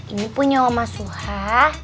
ini punya oma suha